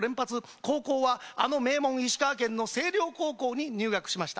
高校はあの名門、石川県の星稜高校に入学しました。